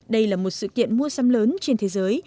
đây là một sự kiện mua sắm lớn trên thế giới